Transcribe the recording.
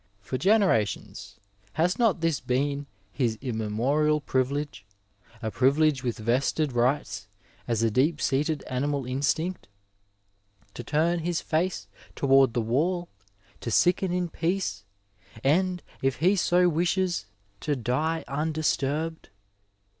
*' For generations has not this been his immemorial privilege, a privilege with vested rights as a deep seated animal instinct— to torn his face toward the wall, to sicken in peace, and, if he so wishes, to die undisturbed